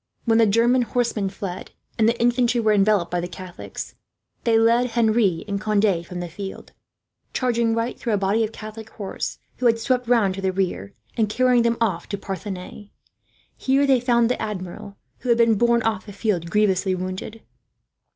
When the German horsemen fled, and the infantry were enveloped by the Catholics, they led Henri and Conde from the field; charging right through a body of Catholic horse who had swept round to the rear, and carrying them off to Parthenay. Here they found the Admiral, who had been borne off the field, grievously wounded.